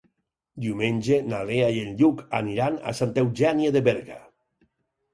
Diumenge na Lea i en Lluc aniran a Santa Eugènia de Berga.